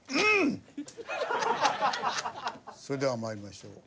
それでは参りましょう。